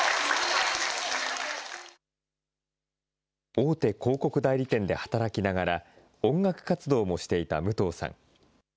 大手広告代理店で働きながら、音楽活動もしていた武藤さん。